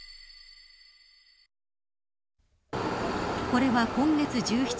これは今月１７日